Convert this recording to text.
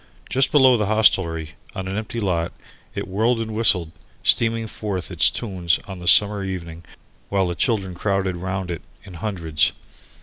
Just below the hostelry, on an empty lot, it whirled and whistled, steaming forth its tunes on the summer evening while the children crowded round it in hundreds.